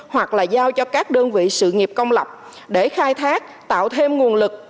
hoặc là giao cho các đơn vị sự nghiệp công lập để khai thác tạo thêm nguồn lực